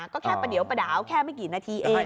ก็แค่ประเดี๋ยวประดาวแค่ไม่กี่นาทีเอง